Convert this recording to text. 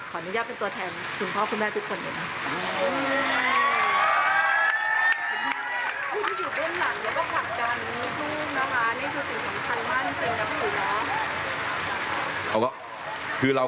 อนุญาตเป็นตัวแทนคุณพ่อคุณแม่ทุกคนเลยนะ